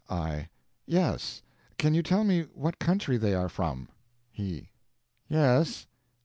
I. Yes. Can you tell me what country they are from? He. Yes?